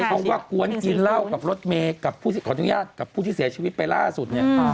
เพราะว่ากวนกินเหล้ากับรถเมล์กับผู้ที่เสียชีวิตไปล่าสุดเนี่ย